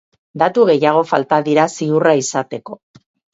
Datu gehiago falta dira ziurra izateko.